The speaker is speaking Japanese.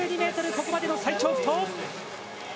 ここまでの最長不倒！